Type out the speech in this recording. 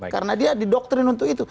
karena dia didokterin untuk itu